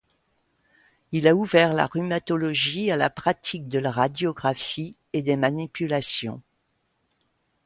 Il a ouvert la rhumatologie à la pratique de la radiographie et des manipulations.